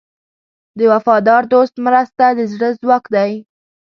د وفادار دوست مرسته د زړه ځواک دی.